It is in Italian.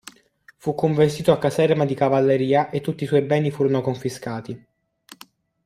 Fu convertito a caserma di cavalleria e tutti i suoi beni furono confiscati.